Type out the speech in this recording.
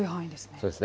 そうですね。